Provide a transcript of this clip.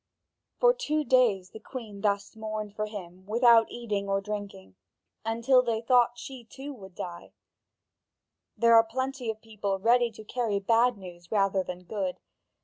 (Vv. 4263 4414.) For two days the Queen thus mourned for him without eating or drinking, until they thought she too would die. There are plenty of people ready to carry bad news rather than good.